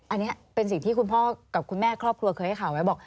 อันนี้เป็นสิ่งที่คุณพ่อกับคุณแม่ครอบครัวเคยให้ข่าวไว้บอก